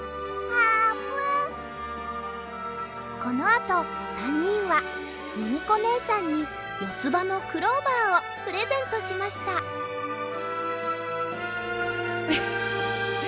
このあと３にんはミミコねえさんによつばのクローバーをプレゼントしましたウフフッ。